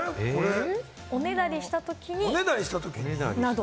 おねだりしたときに。